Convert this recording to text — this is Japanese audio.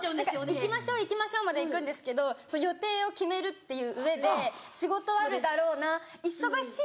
「行きましょう行きましょう」まではいくんですけど予定を決めるっていう上で仕事あるだろうな忙しいよな